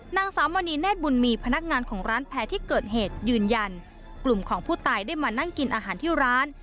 สามณีเนธบุญมีพนักงานของร้านแพ้ที่เกิดเหตุยืนยันกลุ่มของผู้ตายได้มานั่งกินอาหารที่ร้าน